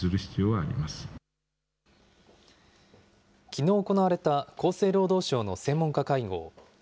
きのう行われた厚生労働省の専門家会合。